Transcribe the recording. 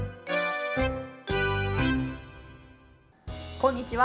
こんにちは。